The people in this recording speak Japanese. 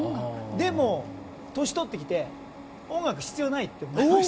でも年を取ってきて音楽必要ないって。